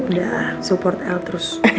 udah support el terus